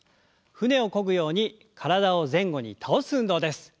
舟をこぐように体を前後に倒す運動です。